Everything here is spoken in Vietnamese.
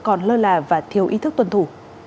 còn lơ là và thiếu ý thức tuân thủ